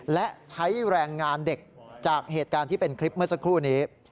และใช้แรงงานเด็กจากเหตุการณ์ที่เป็นคลิปเมื่อสักครู่นี้